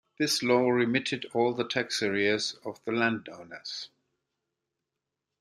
This law remitted all the tax arrears of the landowners.